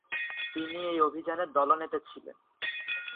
তিনি এই অভিযানের দলনেতা ছিলেন।